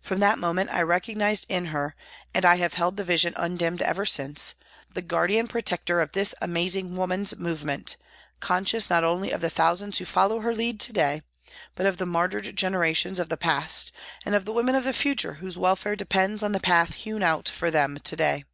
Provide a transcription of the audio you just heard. From that moment I recognised in her, and I have held the vision undimmed ever since, the guardian pro tector of this amazing woman's movement, con scious not only of the thousands who follow her lead to day, but of the martyred generations of the past and of the women of the future whose welfare depends upon the path hewn out for them to day.